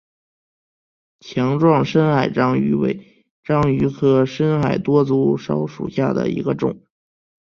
强壮深海章鱼为章鱼科深海多足蛸属下的一个种。